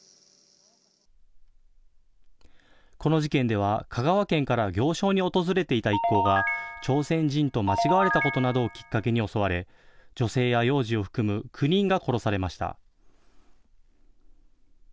この事件では香川県から行商に訪れていた一行が朝鮮人と間違われたことなどをきっかけに襲われ、女性や幼児を含む９人が殺されました。